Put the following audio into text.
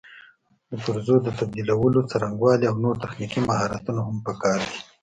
د پرزو د تبدیلولو څرنګوالي او نور تخنیکي مهارتونه هم پکار دي.